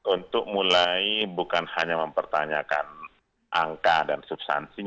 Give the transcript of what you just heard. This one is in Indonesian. untuk mulai bukan hanya mempertanyakan angka dan substansi